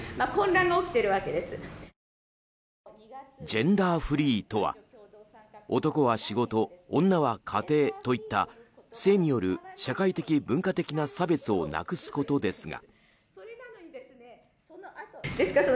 ジェンダーフリーとは男は仕事、女は家庭といった性による社会的・文化的な差別をなくすことですが。